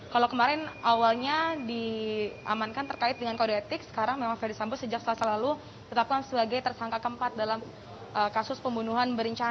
kalau kemarin awalnya diamankan terkait dengan kode etik sekarang memang verdi sambo sejak selasa lalu tetapkan sebagai tersangka keempat dalam kasus pembunuhan berencana